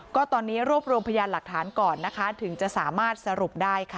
ก็ตอนนี้รวบรวมพยานหลักฐานก่อนนะคะถึงจะสามารถสรุปได้ค่ะ